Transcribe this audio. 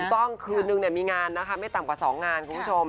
ต้องคืนนึงมีงานนะคะไม่ต่ำกว่า๒งานคุณผู้ชม